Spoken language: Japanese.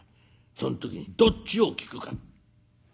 その時にどっちを聞くか。